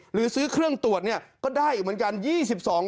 หรือซื้อเครื่องตรวจก็ได้เหมือนกัน